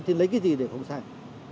thì lấy cái gì để không xài